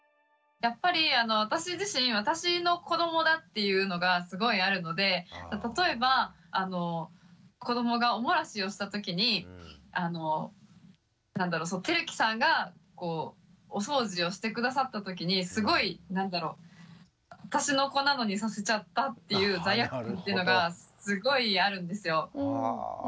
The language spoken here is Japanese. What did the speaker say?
やっぱり私自身私の子どもだっていうのがすごいあるので例えば子どもがお漏らしをした時に輝樹さんがお掃除をして下さった時にすごい何だろ私の子なのにさせちゃったっていう罪悪感っていうのがすごいあるんですよ。